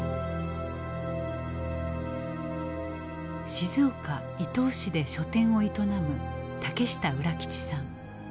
静岡・伊東市で書店を営む竹下浦吉さん。